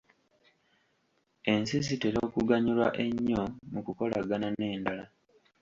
Ensi zitera okuganyulwa ennyo mu kukolagana n'endala.